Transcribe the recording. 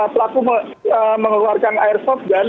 pelaku mengeluarkan airsoft gun